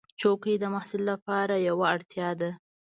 چوکۍ د محصل لپاره یوه اړتیا ده.